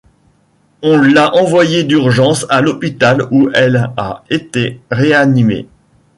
On l'a envoyée d'urgence à l'hôpital où elle a été réanimée.